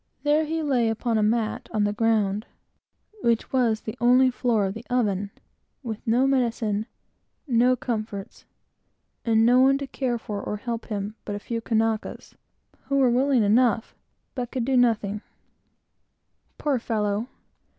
There he lay, upon a mat, on the ground, which was the only floor of the oven, with no medicine, no comforts, and no one to care for, or help him, but a few Kanakas, who were willing enough, but could do nothing. The sight of him made me sick, and faint. Poor fellow!